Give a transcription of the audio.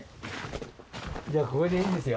じゃあここでいいですよ。